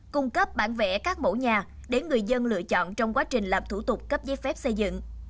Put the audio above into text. cung cấp bản vẽ các mẫu nhà để người dân lựa chọn trong quá trình làm thủ tục cấp giấy phép xây dựng